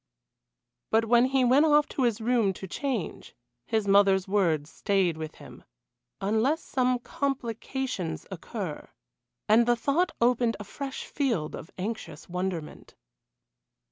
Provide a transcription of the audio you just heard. But when he went off to his room to change, his mother's words stayed with him "unless some complications occur" and the thought opened a fresh field of anxious wonderment.